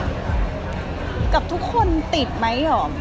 แหละกับทุกคนติดไหมเหรอ